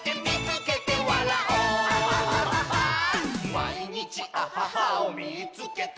「まいにちアハハをみいつけた！」